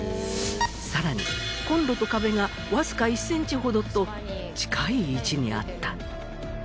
さらにコンロと壁がわずか１センチほどと近い位置にあった。